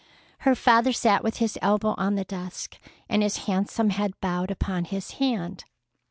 Her father sat with his elbow on the desk, and his handsome head bowed upon his hand.